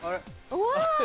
うわ！